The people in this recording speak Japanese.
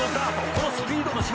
このスピードの芝」